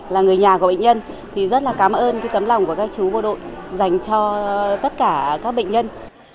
là người nhà của bệnh nhân thì rất là cảm ơn tấm lòng của các chú bộ đội dành cho tất cả các bệnh nhân